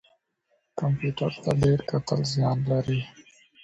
کمپیوټر ته ډیر کتل زیان لري